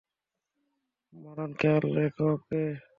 মারান, খেয়াল রেখো, ওকে?